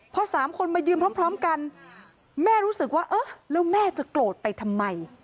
พอสามคนมายืนพร้อมกันแม่รู้สึกว่าเออแล้วแม่จะโกรธไปทำไม